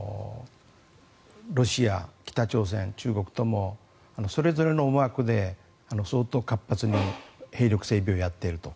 ロシア、北朝鮮、中国ともそれぞれの思惑で相当活発に兵力整備をやっていると。